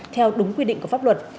theo đúng quy định của pháp luật